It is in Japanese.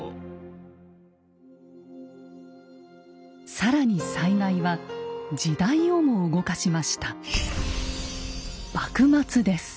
更に災害は時代をも動かしました。